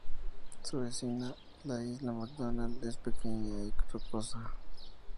Su vecina, la isla McDonald es pequeña y rocosa.